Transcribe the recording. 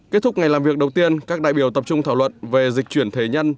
kết thúc ngày làm việc đầu tiên các đại biểu tập trung thảo luận về dịch chuyển thế nhân